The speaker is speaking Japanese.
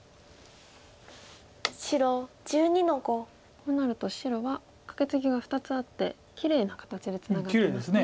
こうなると白はカケツギが２つあってきれいな形でツナがってますね。